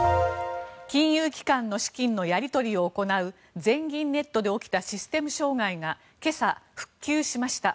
金融機関の資金のやり取りを行う全銀ネットで起きたシステム障害が今朝、復旧しました。